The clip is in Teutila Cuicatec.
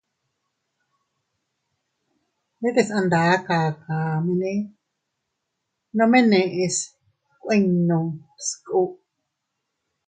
Ndetes a nda kakamene nome neʼes kuinnu sku.